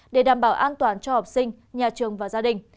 để đảm bảo an toàn cho học sinh nhà trường và gia đình